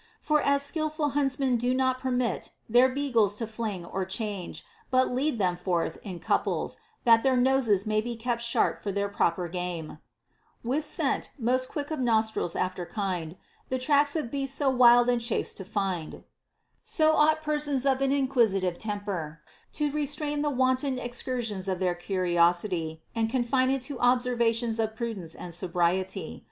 For as skilful huntsmen do not permit their beagles to fling or change, but lead them forth INTO THINGS IMPERTINENT. 439 in couples, that their noses may be kept sharp for their proper game, With scent most quick of nostrils after kind, The tracks of beast so wild in chase to find ; so ought persons of an inquisitive temper to restrain the wanton excursions of their curiosity, and confine it to ob servations of prudence and sobriety.